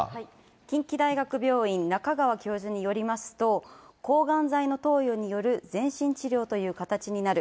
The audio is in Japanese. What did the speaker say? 近畿大学病院、中川教授によりますと、抗がん剤の投与による全身治療という形になる。